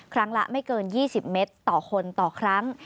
ครั้งละไม่เกิน๒๐เมตรต่อคนต่อครั้ง